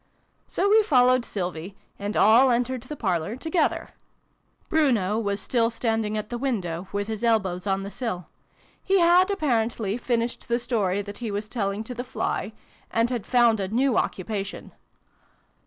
So we followed Sylvie, and all entered the parlour together. Bruno was still standing at the window, with his elbows on the sill. He had, apparently, finished the story that he was telling to the fly, and had found a new occupation.